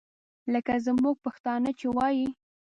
لکه زموږ پښتانه چې وایي.